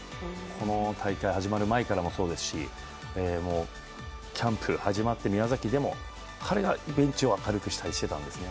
この大会が始まる前からもそうですしキャンプ始まって宮崎でも、彼がベンチを明るくしていたんですよね。